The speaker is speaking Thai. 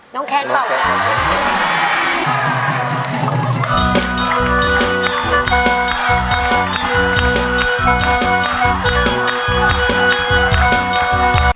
น้องแคนครับ